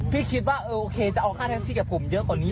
คิดว่าโอเคจะเอาค่าแท็กซี่กับผมเยอะกว่านี้